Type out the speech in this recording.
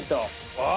ああ